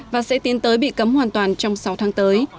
và sẽ tiến tới bị cấm hoàn toàn trong sáu tháng tới